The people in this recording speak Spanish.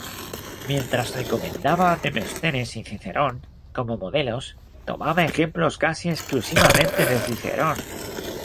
Mientras recomendaba a Demóstenes y Cicerón como modelos, tomaba ejemplos casi exclusivamente de Cicerón.